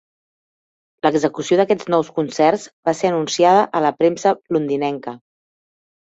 L'execució d'aquests nous concerts va ser anunciada a la premsa londinenca.